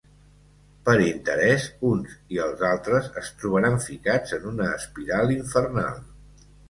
Per interès, uns i els altres es trobaran ficats en una espiral infernal.